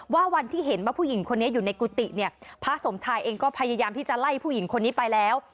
วันที่เห็นว่าผู้หญิงคนนี้อยู่ในกุฏิเนี่ยพระสมชายเองก็พยายามที่จะไล่ผู้หญิงคนนี้ไปแล้ว